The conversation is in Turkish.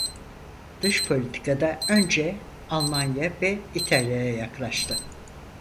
Dış politikada önce Almanya ve İtalya'ya yaklaştı.